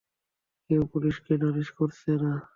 কেউ পুলিশকে নালিশ করছে না।